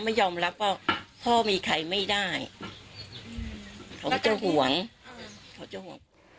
ไม่ยอมรับว่าพ่อมีใครไม่ได้เขาก็จะห่วงเขาจะห่วง